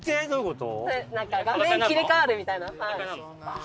画面切り替わるみたいな。